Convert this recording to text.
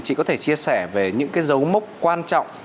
chị có thể chia sẻ về những cái dấu mốc quan trọng